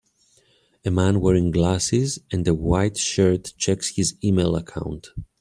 A man wearing glasses and a white shirt checks his email account.